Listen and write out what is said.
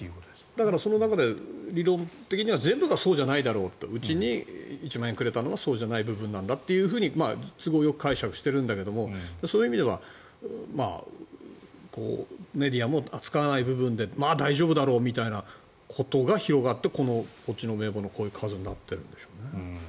だから、その中で理論的には全部はそうじゃないだろうと。うちに１万円くれたのはそうじゃない部分なんだと都合よく解釈してるんだけどそういう意味ではメディアも扱わない部分で大丈夫だろうみたいなことが広がってこっちの名簿のこういう数になってるんでしょうね。